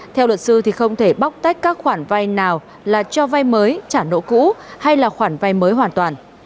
theo luật sư thì không thể bóc tách các khoản vay nào là cho vay mới trả nợ cũ hay là khoản vay mới hoàn toàn